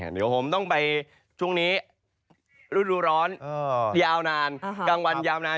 เดี๋ยวผมต้องไปช่วงนี้ฤดูร้อนยาวนานกลางวันยาวนาน